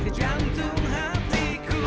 di jantung hatiku